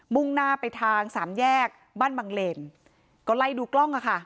่งหน้าไปทางสามแยกบ้านบังเลนก็ไล่ดูกล้องอ่ะค่ะ